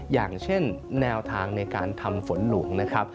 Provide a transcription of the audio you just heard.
อย่างเช่นแนวทางในการทำฝนหลวงนะครับ